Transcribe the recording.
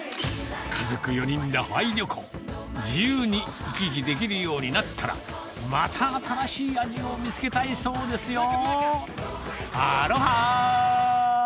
自由に行き来できるようになったら、また新しい味を見つけたいそうですよ。ね。